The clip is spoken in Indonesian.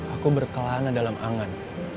aku berkelana dalam angan